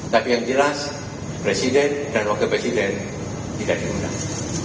tapi yang jelas presiden dan wakil presiden tidak diundang